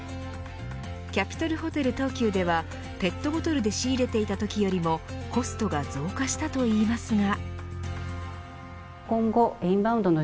キャピトルホテル東急ではペットボトルで仕入れていたときよりもコストが増加したといいますが。